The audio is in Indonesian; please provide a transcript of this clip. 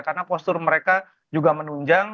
karena postur mereka juga menunjang